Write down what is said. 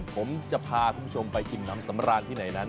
ผมจะพาคุณผู้ชมไปกินน้ำสำราญที่ไหนนั้น